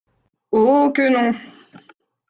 Oh que non!